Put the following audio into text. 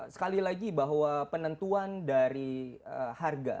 sekali lagi bahwa penentuan dari harga